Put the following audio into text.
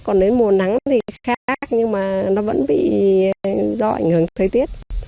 còn đến mùa nắng thì khác nhưng mà nó vẫn bị do ảnh hưởng thời tiết